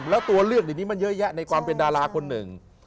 แล้วตัวเลือกเดี๋ยวนี้มันเยอะแยะในความเป็นดาราคนหนึ่ง